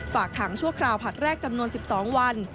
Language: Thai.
ฝากขังชั่วคราวผลัดแรกจำนวน๑๒วัน